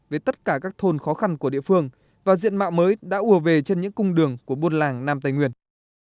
với tất cả các thôn khó khăn của địa phương và diện mạo mới đã ủa về trên những cung đường của buôn làng nam tây nguyên